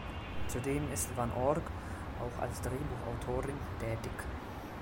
Zudem ist van Org auch als Drehbuchautorin tätig.